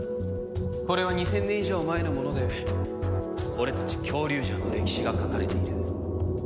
これは２０００年以上前のもので俺たちキョウリュウジャーの歴史が描かれている。